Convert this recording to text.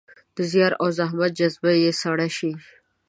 د زیار او زحمت جذبه به يې سړه شي.